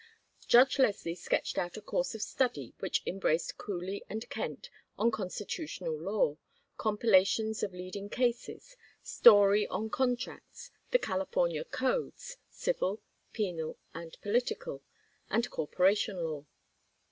Judge Leslie sketched out a course of study which embraced Cooley and Kent on Constitutional Law, compilations of Leading Cases, Story on Contracts, the California Codes, Civil, Penal, and Political, and Corporation Law.